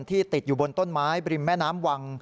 ติดอยู่บนต้นไม้บริมแม่น้ำวัง